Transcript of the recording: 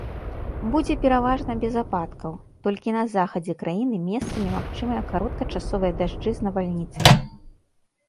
Будзе пераважна без ападкаў, толькі на захадзе краіны месцамі магчымыя кароткачасовыя дажджы з навальніцамі.